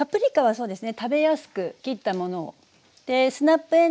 そうですね。